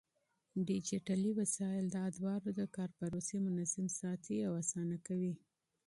ډيجيټلي وسايل د ادارو د کار پروسې منظم ساتي او آسانه کوي.